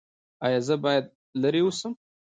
ایا زه باید لرې اوسم؟